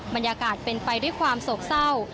บรรยากาศเป็นไปด้วยความโศกเศร้า